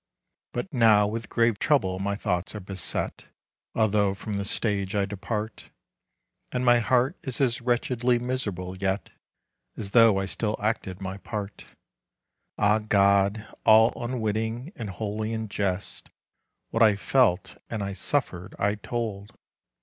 But now with grave trouble my thoughts are beset, Although from the stage I depart; And my heart is as wretchedly miserable yet, As though I still acted my part. Ah God! all unwitting and wholly in jest, What I felt and I suffered I told.